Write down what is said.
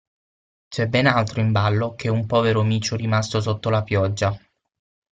C'è ben altro in ballo che un povero micio rimasto sotto la pioggia.